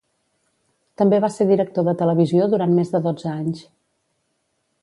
També va ser director de televisió durant més de dotze anys.